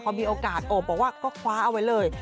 พอมีโอกาสโอบบอกว่าก็คว้าเอาไว้เลย